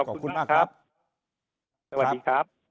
ขอบคุณมากครับสวัสดีครับ